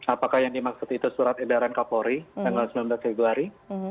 apakah yang dimaksud itu surat edaran kapolri tanggal sembilan belas februari